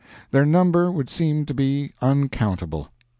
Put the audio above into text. Their number would seem to be uncountable.